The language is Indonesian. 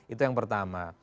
itu yang pertama